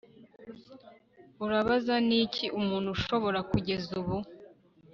Urabaza Niki umuntu yashobora kugeza ubu